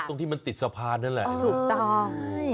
ตรงที่มันติดสะพานนั่นแหละถูกต้องใช่